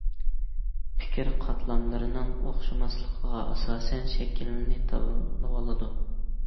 پىكىر قاتلاملىرىنىڭ ئوخشىماسلىقىغا ئاساسەن شەكىلنى تاللىۋالىدۇ.